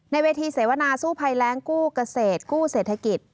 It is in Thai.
เวทีเสวนาสู้ภัยแรงกู้เกษตรกู้เศรษฐกิจ